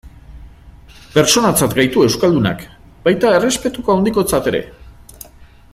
Pertsonatzat gaitu euskaldunak, baita errespetu handikotzat ere.